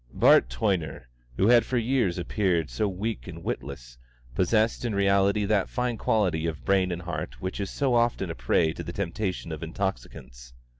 Bart Toyner, who had for years appeared so weak and witless, possessed in reality that fine quality of brain and heart which is so often a prey to the temptation of intoxicants.